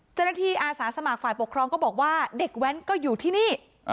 อาสาสมัครฝ่ายปกครองก็บอกว่าเด็กแว้นก็อยู่ที่นี่